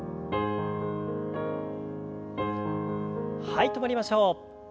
はい止まりましょう。